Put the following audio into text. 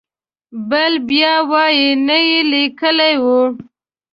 بل بیا وایي نه یې لیکلی و.